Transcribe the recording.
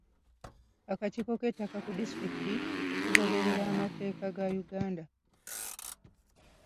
Akakiiko k'ettaka ku disitulikiti kagoberera amateeka ga Uganda.